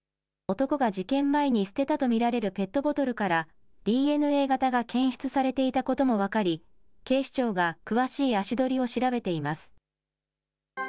男が事件前に捨てたと見られるペットボトルから、ＤＮＡ型が検出されていたことも分かり、警視庁が詳しい足取りを調べています。